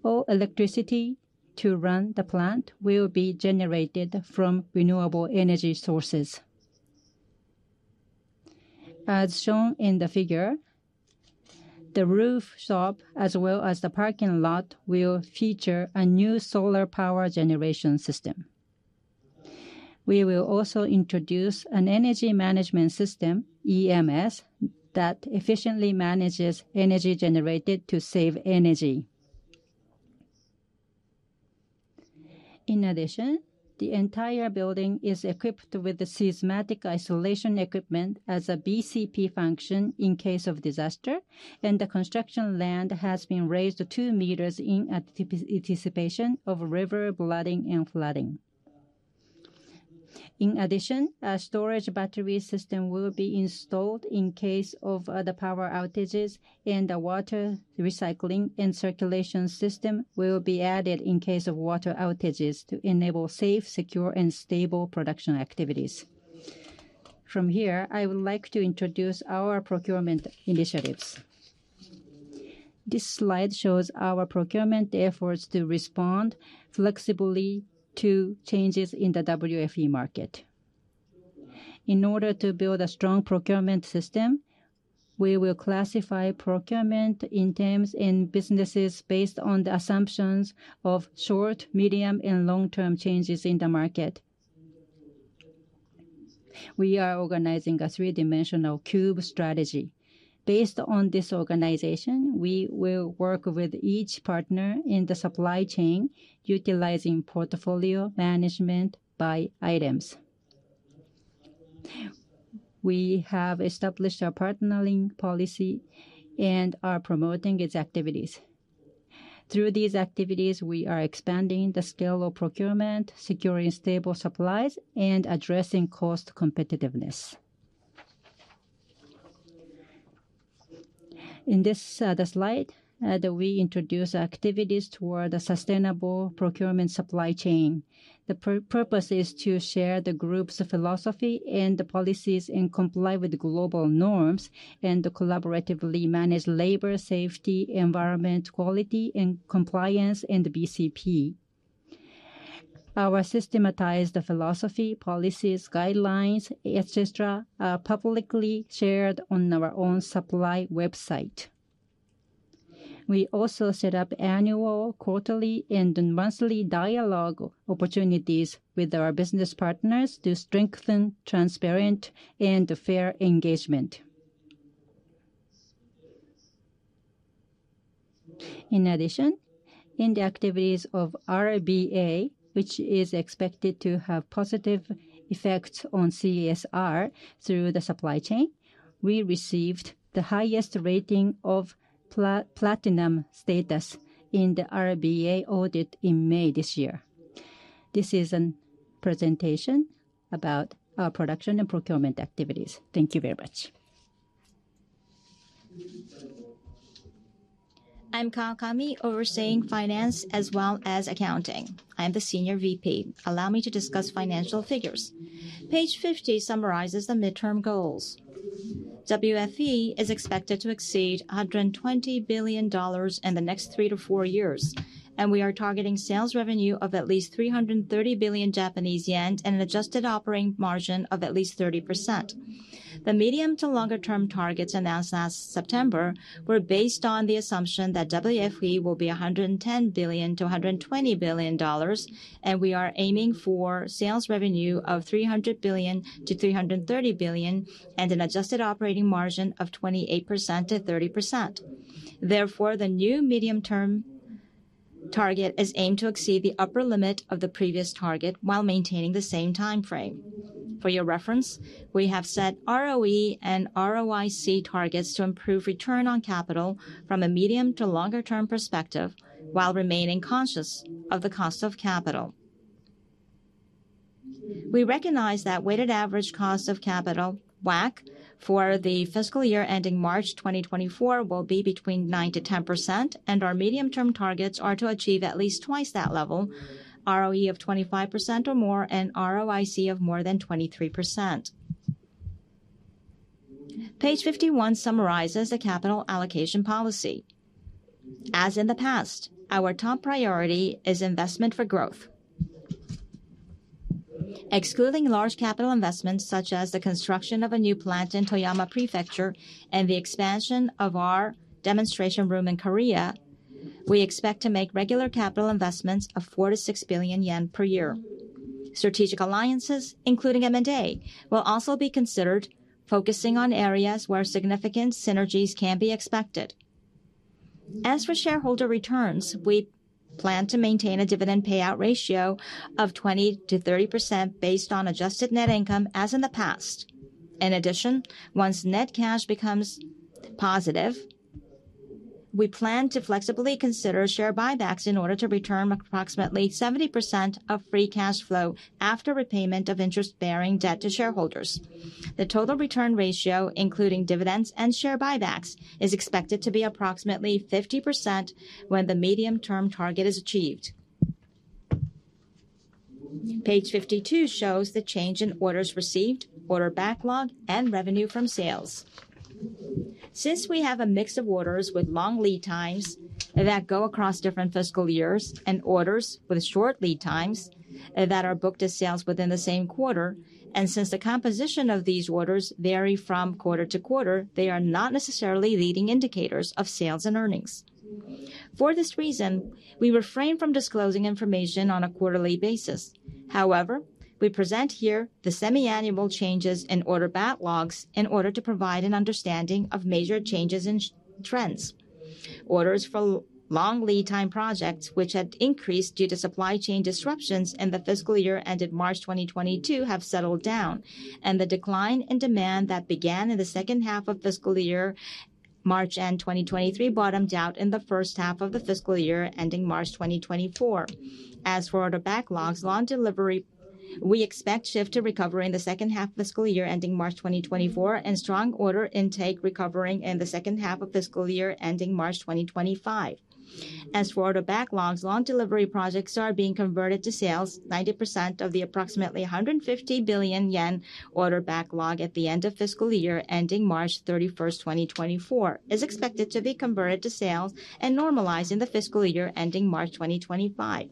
All electricity to run the plant will be generated from renewable energy sources. As shown in the figure, the rooftop, as well as the parking lot, will feature a new solar power generation system. We will also introduce an energy management system, EMS, that efficiently manages energy generated to save energy. In addition, the entire building is equipped with seismic isolation equipment as a BCP function in case of disaster, and the construction land has been raised 2 meters in anticipation of river flooding and flooding. In addition, a storage battery system will be installed in case of other power outages, and a water recycling and circulation system will be added in case of water outages to enable safe, secure, and stable production activities. From here, I would like to introduce our procurement initiatives. This slide shows our procurement efforts to respond flexibly to changes in the WFE market. In order to build a strong procurement system, we will classify procurement items and businesses based on the assumptions of short, medium, and long-term changes in the market. We are organizing a three-dimensional cube strategy. Based on this organization, we will work with each partner in the supply chain, utilizing portfolio management by items. We have established a partnering policy and are promoting these activities. Through these activities, we are expanding the scale of procurement, securing stable supplies, and addressing cost competitiveness. In this slide, we introduce activities toward a sustainable procurement supply chain. The purpose is to share the group's philosophy and the policies and comply with global norms and collaboratively manage labor, safety, environment, quality, and compliance and BCP. Our systematized philosophy, policies, guidelines, etc. are publicly shared on our own supply website. We also set up annual, quarterly, and monthly dialogue opportunities with our business partners to strengthen transparent and fair engagement. In addition, in the activities of RBA, which is expected to have positive effects on CSR through the supply chain, we received the highest rating of Platinum status in the RBA audit in May this year. This is a presentation about our production and procurement activities. Thank you very much. I'm Kawakami, overseeing finance as well as accounting. I'm the Senior VP. Allow me to discuss financial figures. Page 50 summarizes the midterm goals. WFE is expected to exceed $120 billion in the next three to four years, and we are targeting sales revenue of at least 330 billion Japanese yen and an adjusted operating margin of at least 30%. The medium to longer-term targets announced last September were based on the assumption that WFE will be $110 billion-$120 billion, and we are aiming for sales revenue of $300 billion-$330 billion and an adjusted operating margin of 28%-30%. Therefore, the new medium-term target is aimed to exceed the upper limit of the previous target while maintaining the same timeframe. For your reference, we have set ROE and ROIC targets to improve return on capital from a medium to longer-term perspective while remaining conscious of the cost of capital. We recognize that weighted average cost of capital, WACC, for the fiscal year ending March 2024 will be between 9%-10%, and our medium-term targets are to achieve at least twice that level, ROE of 25% or more, and ROIC of more than 23%. Page 51 summarizes the capital allocation policy. As in the past, our top priority is investment for growth. Excluding large capital investments such as the construction of a new plant in Toyama Prefecture and the expansion of our demonstration room in Korea, we expect to make regular capital investments of 4 billion-6 billion yen per year. Strategic alliances, including M&A, will also be considered, focusing on areas where significant synergies can be expected. As for shareholder returns, we plan to maintain a dividend payout ratio of 20%-30% based on adjusted net income as in the past. In addition, once net cash becomes positive, we plan to flexibly consider share buybacks in order to return approximately 70% of free cash flow after repayment of interest-bearing debt to shareholders. The total return ratio, including dividends and share buybacks, is expected to be approximately 50% when the medium-term target is achieved. Page 52 shows the change in orders received, order backlog, and revenue from sales. Since we have a mix of orders with long lead times that go across different fiscal years and orders with short lead times that are booked as sales within the same quarter, and since the composition of these orders varies from quarter to quarter, they are not necessarily leading indicators of sales and earnings. For this reason, we refrain from disclosing information on a quarterly basis. However, we present here the semi-annual changes in order backlogs in order to provide an understanding of major changes and trends. Orders for long lead time projects, which had increased due to supply chain disruptions in the fiscal year ended March 2022, have settled down, and the decline in demand that began in the second half of fiscal year ending March 2023 bottomed out in the first half of the fiscal year ending March 2024. As for order backlogs, long delivery, we expect shift to recover in the second half of fiscal year ending March 2024 and strong order intake recovering in the second half of fiscal year ending March 2025. As for order backlogs, long delivery projects are being converted to sales. 90% of the approximately 150 billion yen order backlog at the end of fiscal year ending March 31, 2024, is expected to be converted to sales and normalized in the fiscal year ending March 2025.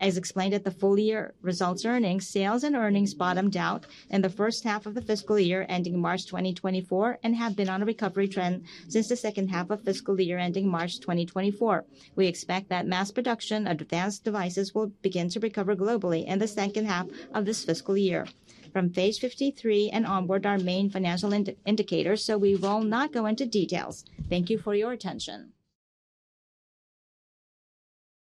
As explained at the full year results earnings, sales and earnings bottomed out in the first half of the fiscal year ending March 2024 and have been on a recovery trend since the second half of fiscal year ending March 2024. We expect that mass production advanced devices will begin to recover globally in the second half of this fiscal year. From page 53 and onward, our main financial indicators. So we will not go into details. Thank you for your attention.